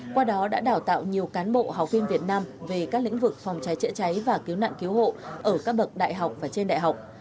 qua đó đã đào tạo nhiều cán bộ học viên việt nam về các lĩnh vực phòng cháy chữa cháy và cứu nạn cứu hộ ở các bậc đại học và trên đại học